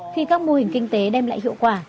khi các mô hình kinh tế đem lại hiệu quả